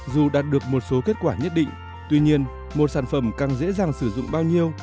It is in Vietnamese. dù đạt được một số kết quả nhất định tuy nhiên một sản phẩm càng dễ dàng sử dụng bao nhiêu